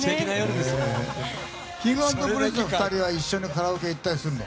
Ｋｉｎｇ＆Ｐｒｉｎｃｅの２人は一緒にカラオケ行ったりするの？